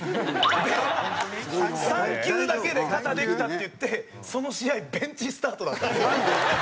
で３球だけで肩できたって言ってその試合ベンチスタートだった。